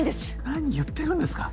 何言ってるんですか。